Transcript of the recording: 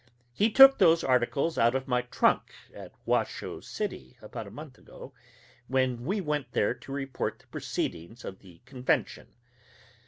He took those articles out of my trunk, at Washoe City, about a month ago, when we went there to report the proceedings of the convention.